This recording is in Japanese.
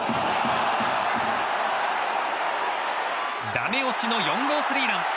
ダメ押しの４号スリーラン！